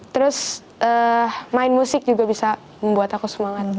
terus main musik juga bisa membuat aku semangat